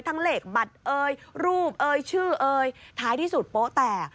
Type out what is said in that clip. ทั้งเหล็กบัตรรูปชื่อท้ายที่สุดโป๊ะแต่